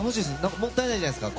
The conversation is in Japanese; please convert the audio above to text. もったいないじゃないですか。